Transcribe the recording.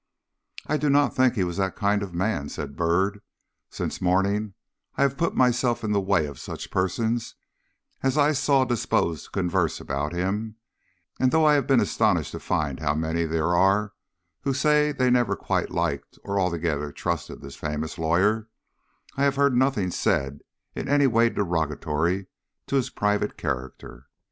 "I do not think he was that kind of a man," said Byrd. "Since morning I have put myself in the way of such persons as I saw disposed to converse about him, and though I have been astonished to find how many there are who say they never quite liked or altogether trusted this famous lawyer, I have heard nothing said in any way derogatory to his private character.